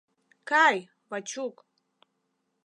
— Кай, Вачук!